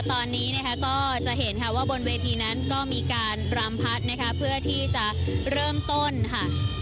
ตอนนี้นะคะก็จะเห็นค่ะว่าบนเวทีนั้นก็มีการรำพัดนะคะเพื่อที่จะเริ่มต้นค่ะ